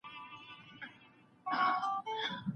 ویره یوازي یو لنډمهالی احساس دی.